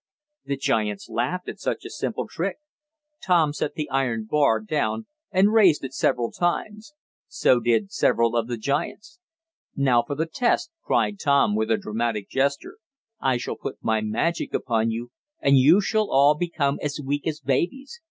The giants laughed at such a simple trick. Tom set the iron bar down and raised it several times. So did several of the giants. "Now for the test!" cried Tom with a dramatic gesture. "I shall put my magic upon you, and you shall all become as weak as babies.